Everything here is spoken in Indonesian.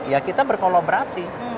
ya kita berkolaborasi